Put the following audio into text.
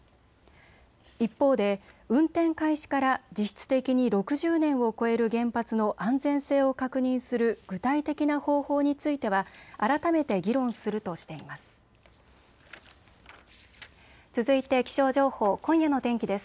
一方で運転開始から実質的に６０年を超える原発の安全性を確認する具体的な方法については改めて議論するとしています。